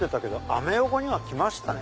アメ横には来ましたね。